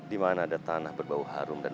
ibu sudah memaafkan enggak